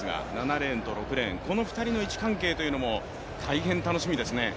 レーンと６レーン、この２人の位置関係というのも大変楽しみですね。